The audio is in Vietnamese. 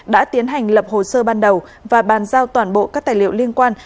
đã tiến hành lập hồ sơ ban đầu và bàn giao toàn bộ các tài liệu liên quan